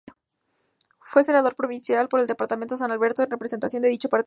Fue senador provincial por el departamento San Alberto en representación de dicho partido.